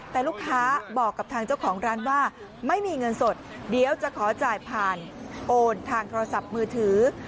แต่ลูกค้าบอกกับทางเจ้าของร้านว่าไม่มีเงินสดเดี๋ยวจะขอจ่ายผ่านโอนทางโทรศัพท์มือถือ